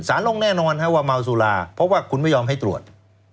ลงแน่นอนว่าเมาสุราเพราะว่าคุณไม่ยอมให้ตรวจ